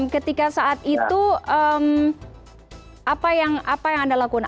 ketika saat itu apa yang anda lakukan